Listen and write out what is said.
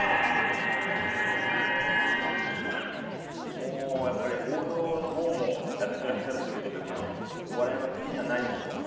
もうやっぱり報道の方もやってらっしゃるということでもうお笑いは好きじゃないんでしょうか？